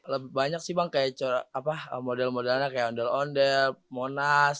lebih banyak sih bang model modelnya kayak ondel ondel monas